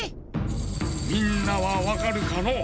⁉みんなはわかるかのう？